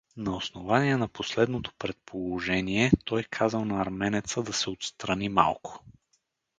На основание на последното предположение той казал на арменеца да се отстрани малко.